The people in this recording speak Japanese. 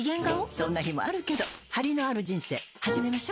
そんな日もあるけどハリのある人生始めましょ。